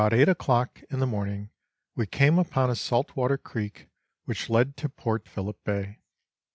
285 eight o'clock in the morning we came upon a saltwater creefc which led to Port Phillip Bay.